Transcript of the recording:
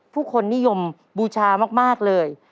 ผู้คนนิยมบูชามากเลย